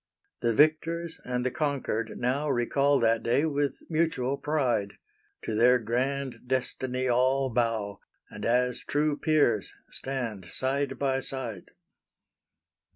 The victors and the conquered now Recall that day with mutual pride; To their grand destiny all bow, And as true peers, stand side by side.